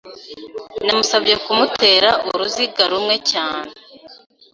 Namusabye kumutera uruziga rumwe cyane.